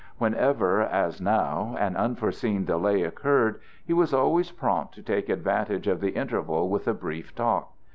Whenever as now an unforeseen delay occurred, he was always prompt to take advantage of the interval with a brief talk.